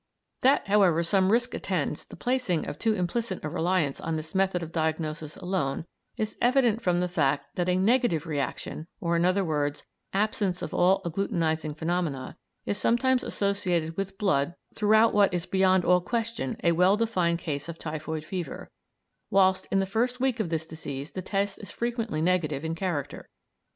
That, however, some risk attends the placing of too implicit a reliance on this method of diagnosis alone is evident from the fact that a negative reaction, or in other words, absence of all agglutinising phenomena, is sometimes associated with blood throughout what is beyond all question a well defined case of typhoid fever, whilst in the first week of this disease the test is frequently negative in character.